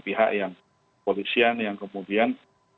pihak yang polisian yang kemudian